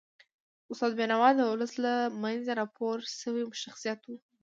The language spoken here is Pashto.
استاد بینوا د ولس له منځه راپورته سوی شخصیت و.